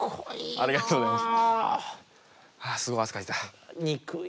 ありがとうございます。